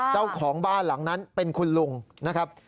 เจ้าของบ้านหลังนั้นเป็นคุณลุงนะครับ